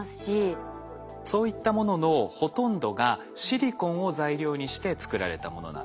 そういったもののほとんどがシリコンを材料にして作られたものなんです。